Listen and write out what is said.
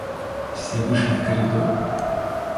Все вышли в коридор.